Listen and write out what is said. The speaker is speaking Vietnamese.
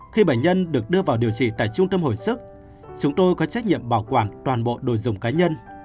khi bệnh nhân được đưa vào điều trị tại trung tâm hồi sức chúng tôi có trách nhiệm bảo quản toàn bộ đồ dùng cá nhân